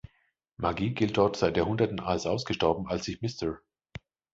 Magie gilt dort seit Jahrhunderten als ausgestorben, als sich Mr.